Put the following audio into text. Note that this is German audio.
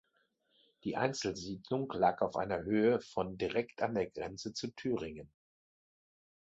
Die Einzelsiedlung lag auf einer Höhe von direkt an der Grenze zu Thüringen.